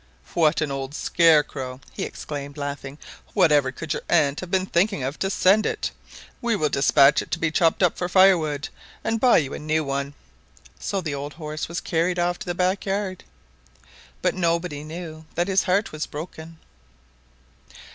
"What an old scarecrow!" he exclaimed, laughing. "Whatever could your aunt have been thinking of to send it! We will despatch it to be chopped up for firewood, and buy you a new one." So the old horse was carried off to the back yard. But nobody knew that his heart was broken!